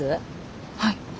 はい。